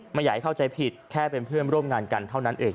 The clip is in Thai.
ไม่อยากให้เข้าใจผิดแค่เป็นเพื่อนร่วมงานกันเท่านั้นเอง